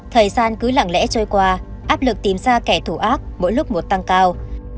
thời gian cứ lặng lẽ trôi qua áp lực tìm ra kẻ thù ác mỗi lúc một tăng cao